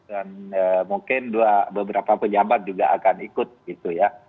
dan mungkin beberapa pejabat juga akan ikut gitu ya